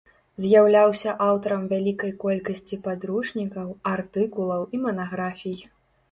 З'яўляўся аўтарам вялікай колькасці падручнікаў, артыкулаў і манаграфій.